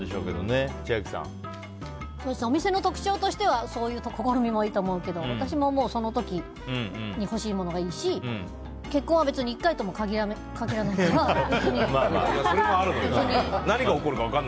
お店の特徴としてはそういう試みはいいと思うけど私もその時に欲しいものがいいし結婚は別に１回とも限らないから。